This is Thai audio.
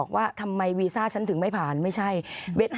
ขอบคุณครับ